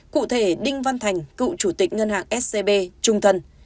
cụ thể đinh văn thành cựu chủ tịch ngân hàng scb trung thân